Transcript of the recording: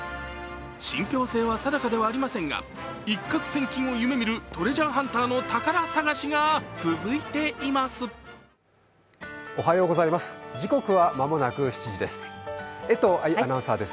信ぴょう性は定かではありませんが一攫千金を夢みるトレジャーハンターの宝探しが続いています。